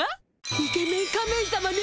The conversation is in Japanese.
イケメン仮面さまね。